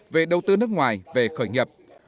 về đầu tư nước ngoài về khởi nghiệp